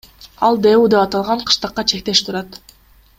Ал ДЭУ деп аталган кыштакка чектеш турат.